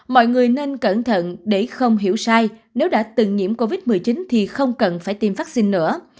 mọi người nên cẩn thận để không hiểu sai nếu đã từng nhiễm covid một mươi chín thì không cần phải tiêm vaccine nữa